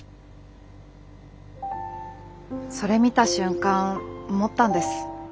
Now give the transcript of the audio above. それ見た瞬間思ったんです。